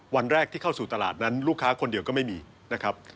วันแรกที่เข้าสู่ตลาดนั้นลูกค้าคนเดียวก็ไม่มีนะครับ